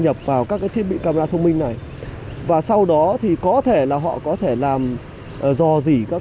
nhập vào các thiết bị camera thông minh này và sau đó thì có thể là họ có thể làm dò dỉ các